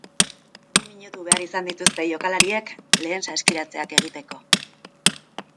Bi minutu behar izan dituzte jokalariek lehen saskiratzeak egiteko.